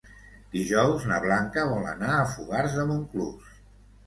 Dijous na Blanca vol anar a Fogars de Montclús.